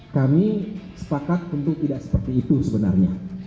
kami sepakat tentu tidak seperti itu sebenarnya